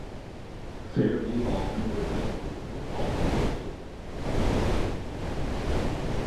Fairview Alternative High School is also located in the area.